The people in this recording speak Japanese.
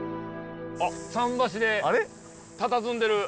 あっ桟橋でたたずんでる。